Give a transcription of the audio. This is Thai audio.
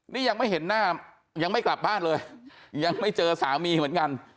นี่ยังไม่เห็นหน้ายังไม่กลับบ้านเลยยังไม่เจอสามีเหมือนกัน